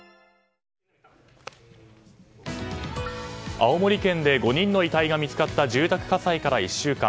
青森県で５人の遺体が見つかった住宅火災から１週間。